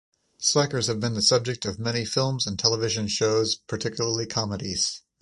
Slackers have been the subject of many films and television shows, particularly comedies.